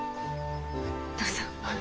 どうぞ。